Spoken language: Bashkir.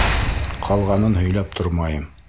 Ҡалғанын һөйләп тормайым.